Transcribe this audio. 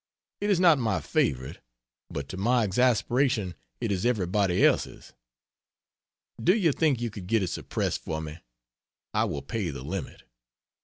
It is not my favorite, but to my exasperation it is everybody else's. Do you think you could get it suppressed for me? I will pay the limit.